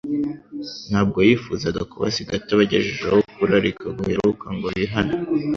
Ntabwo yifuzaga kubasiga atabagejejeho ukurarika guheruka, ngo bihane.